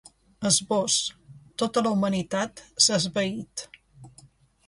Esbós: Tota la humanitat s’ha esvaït .